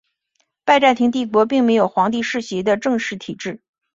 拜占庭帝国并没有皇帝世袭的正式体制。